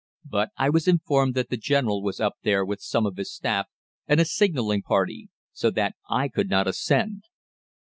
But I was informed that the General was up there with some of his staff and a signalling party, so that I could not ascend.